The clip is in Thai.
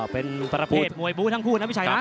เป็นประเภทมวยบู้ทั้งคู่นะพี่ชัยนะ